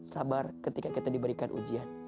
sabar ketika kita diberikan ujian